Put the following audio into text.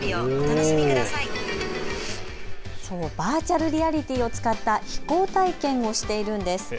そう、バーチャルリアリティーを使った飛行体験をしているんです。